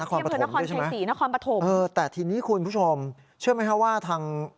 นครปฐมด้วยใช่ไหมแต่ทีนี้คุณผู้ชมเชื่อมั้ยครับว่าทาง